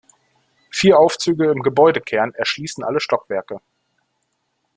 Vier Aufzüge im Gebäudekern erschließen alle Stockwerke.